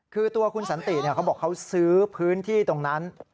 คือตัวคุณสันติเขาบอกเขาซื้อพื้นที่ตรงนั้น